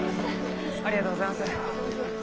ありがとうございます！